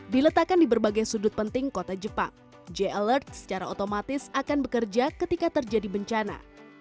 diletakkan di berbagai sudut penting kota jepang j alert secara otomatis akan bekerja ketika terjadi bencana